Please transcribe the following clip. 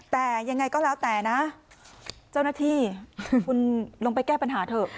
แต่ยังไงก็แล้วแต่นะเจ้าหน้าที่คุณลงไปแก้ปัญหาเถอะ